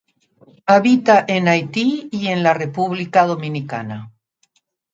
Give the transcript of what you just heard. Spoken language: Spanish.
Habita en Haití y en la República Dominicana.